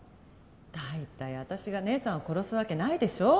大体私が姉さんを殺すわけないでしょ？